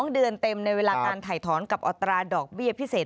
๒เดือนเต็มในเวลาการถ่ายถอนกับอัตราดอกเบี้ยพิเศษ